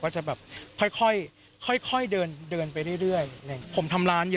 ไม่ได้เฮิร์ดครับ